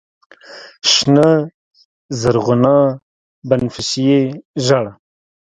شنه، زرغونه، بنفشیې، ژړ